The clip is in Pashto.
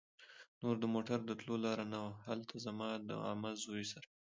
نور د موټر د تلو لار نه وه. هلته زما د عمه زوی سره